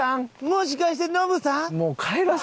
もしかしてノブさん？